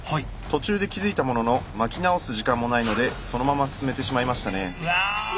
途中で気付いたものの巻き直す時間もないのでそのまま進めてしまいましたね。